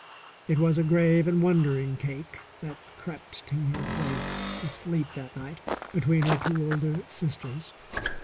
It was a grave and wondering Cake that crept to her place to sleep that night between her two older sisters.